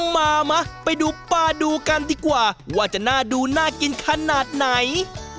มามะไปดูปลาดูกันดีกว่าว่าจะน่าดูน่ากินขนาดไหน